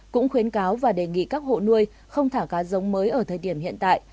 cũng khuyến cáo và đề nghị các hộ nuôi không thả cá giống mới ở thời điểm hiện tại